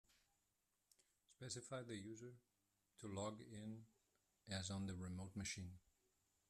Specify the user to log in as on the remote machine.